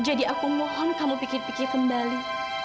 aku mohon kamu pikir pikir kembali